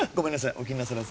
お気になさらず。